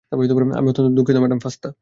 আমি অত্যন্ত দুঃখিত, ম্যাডাম ফাস্তা।